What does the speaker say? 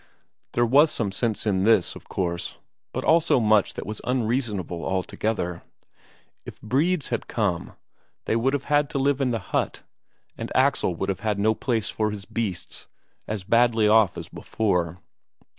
There was some sense in this, of course, but also much that was unreasonable altogether. If Bredes had come, they would have had to live in the hut, and Axel would have had no place for his beasts as badly off as before.